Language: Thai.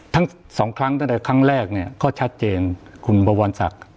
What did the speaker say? ทั้งสองครั้งตั้งแต่ครั้งแรกเนี่ยก็ชัดเจนคุณบวรศักดิ์